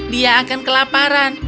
dia akan kelaparan